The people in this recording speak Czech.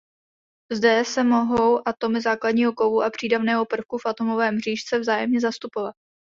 Zde se mohou atomy základního kovu a přídavného prvku v atomové mřížce vzájemně zastupovat.